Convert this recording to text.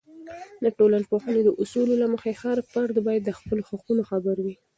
د ټولنپوهنې د اصولو له مخې، هر فرد باید د خپلو حقونو خبر وي.